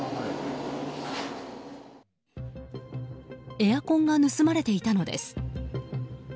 エアコンが盗まれていたのです。